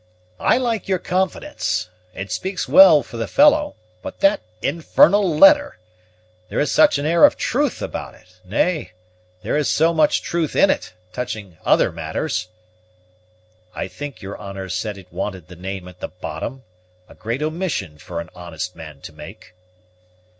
"I like your confidence it speaks well for the fellow; but that infernal letter! there is such an air of truth about it; nay, there is so much truth in it, touching other matters." "I think your honor said it wanted the name at the bottom; a great omission for an honest man to make."